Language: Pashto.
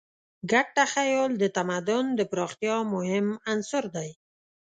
ګډ تخیل د تمدن د پراختیا مهم عنصر دی.